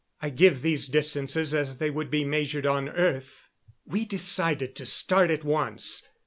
I give these distances as they would be measured on earth. We decided to start at once.